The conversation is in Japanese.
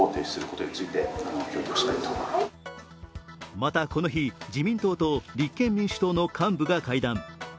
また、この日、自民党と立憲民主党の幹部が会談。